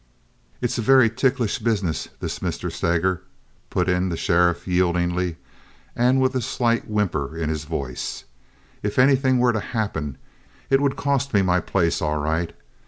"It's a very ticklish business, this, Mr. Steger," put in the sheriff, yieldingly, and yet with a slight whimper in his voice. "If anything were to happen, it would cost me my place all right.